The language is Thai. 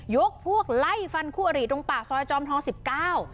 ยกพวกไล่ฟันคู่อริตรงปากซอยจอมทองสิบเก้า